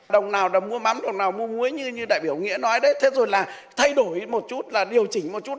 đồng nào đồng mua mắm đồng nào mua muối như đại biểu nghĩa nói đấy thế rồi là thay đổi một chút là điều chỉnh một chút